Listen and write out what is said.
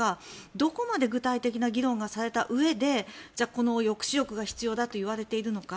どこまで具体的な議論がされたうえでじゃあ、この抑止力が必要だと言われているのか。